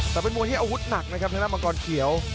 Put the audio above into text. แต่เป็นมวยที่อาวุธหนักนะครับทางด้านมังกรเขียว